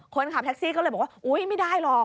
คนขับแท็กซี่ก็เลยบอกว่าอุ๊ยไม่ได้หรอก